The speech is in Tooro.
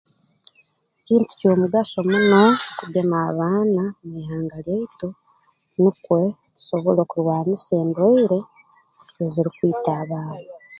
Kintu ky'omugaso muno kugema abaana mu ihanga lyaitu nukwe tusobole kurwanisa endwaire ezirukwita abaana